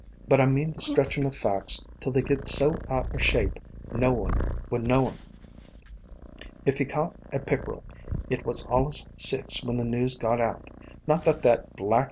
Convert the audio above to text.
But I mean the stretchin' o' facts till they get so out er shape, no one would know 'em. If he caught a pick'rel, it was allus six when the news got out. Not that thet black